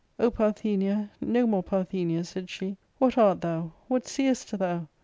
" O, Parthenia, no more Parthenia," said she, " what art thou ? what seest thou ?